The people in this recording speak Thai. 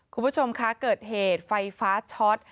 คุณผู้ชมคะเกิดเหตุไฟฟ้าช็อต